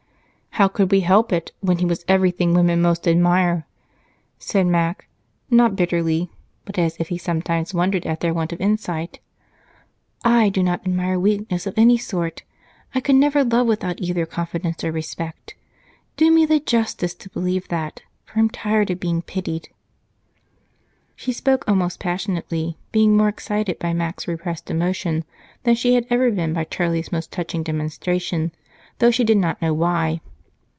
"How could we help it, when he was everything women most admire?" said Mac, not bitterly, but as if he sometimes wondered at their want of insight. "I do not admire weakness of any sort I could never love without either confidence or respect. Do me the justice to believe that, for I'm tired of being pitied." She spoke almost passionately, being more excited by Mac's repressed emotion than she had ever been by Charlie's most touching demonstration, though she did not know why.